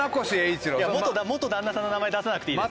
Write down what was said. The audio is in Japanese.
いや元旦那さんの名前出さなくていいです。